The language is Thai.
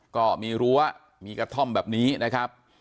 ก็มีรั้วมีกระท่อมแบบนี้นะครับ